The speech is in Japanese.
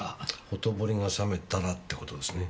ほとぼりが冷めたらって事ですね。